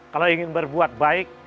kalau ingin berbuat baik